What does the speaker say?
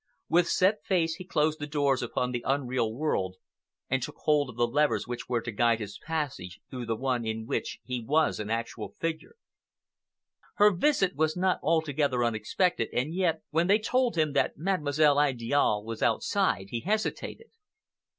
With set face he closed the doors upon the unreal world, and took hold of the levers which were to guide his passage through the one in which he was an actual figure. Her visit was not altogether unexpected, and yet, when they told him that Mademoiselle Idiale was outside, he hesitated.